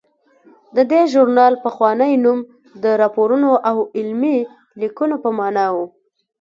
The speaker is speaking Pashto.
د دې ژورنال پخوانی نوم د راپورونو او علمي لیکنو په مانا و.